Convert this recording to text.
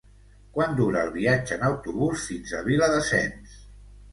Quant dura el viatge en autobús fins a Viladasens?